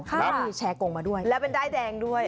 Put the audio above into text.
แล้วมีแชร์กงมาด้วยแล้วเป็นด้ายแดงด้วย